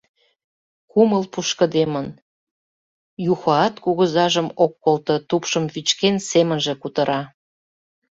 Кумыл пушкыдемын, Юхоат кугызажым ок колто, тупшым вӱчкен, семынже кутыра: